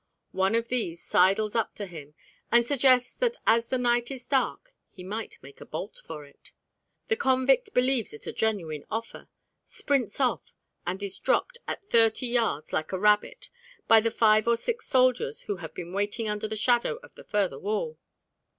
One of these sidles up to him and suggests that as the night is dark he might make a bolt for it. The convict believes it a genuine offer, sprints off, and is dropped at thirty yards like a rabbit by the five or six soldiers who have been waiting under the shadow of the further wall.